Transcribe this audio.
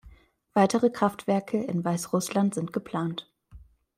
Weitere Kraftwerke in Weißrussland sind geplant.